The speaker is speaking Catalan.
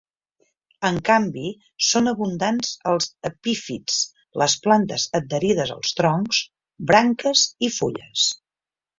En canvi, són abundants els epífits, les plantes adherides als troncs, branques i fulles.